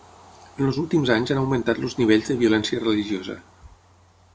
En els últims anys han augmentat els nivells de violència religiosa.